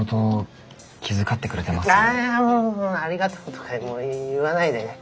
いやいやもうありがとうとか言わないでね。